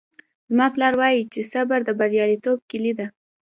زما پلار وایي چې صبر د بریالیتوب کیلي ده